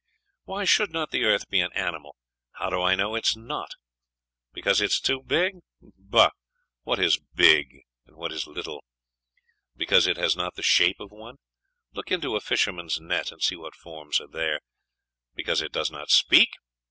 Why should not the earth be an animal? How do I know it is not? Because it is too big? Bah! What is big, and what is little? Because it has not the shape of one?.... Look into a fisherman's net, and see what forms are there! Because it does not speak?....